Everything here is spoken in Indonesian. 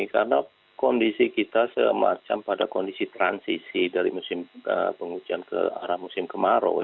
karena kondisi kita semacam pada kondisi transisi dari musim penghujan ke arah musim kemarau